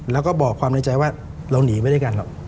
แล้วก็บอกความในใจว่าเราหนีไปด้วยกันหรอก